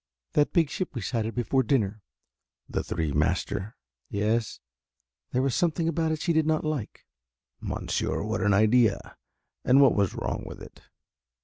"That big ship we sighted before dinner." "The three master?" "Yes, there was something about it she did not like." "Monsieur, what an idea and what was wrong with it?"